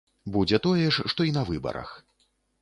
Будзе тое ж, што і на выбарах.